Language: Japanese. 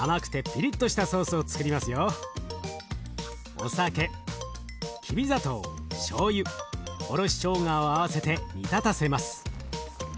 お酒きび砂糖しょうゆおろししょうがを合わせて煮立たせます。